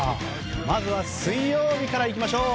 まずは水曜日からいきましょう。